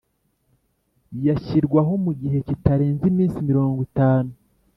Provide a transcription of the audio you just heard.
yashyirwaho mu gihe kitarenze iminsi mirongo itanu